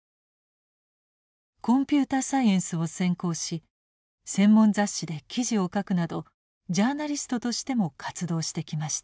コンピューターサイエンスを専攻し専門雑誌で記事を書くなどジャーナリストとしても活動してきました。